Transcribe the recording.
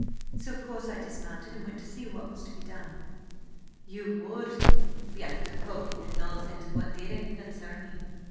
So, of course, I dismounted, and went to see what was to be done." "You would be after poking your nose into what didn't concern ye.